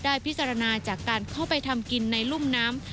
พิจารณาจากการเข้าไปทำกินในรุ่มน้ำ